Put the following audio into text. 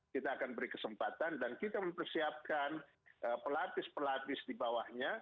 kita akan beri kesempatan dan kita mempersiapkan pelatih pelatih di bawahnya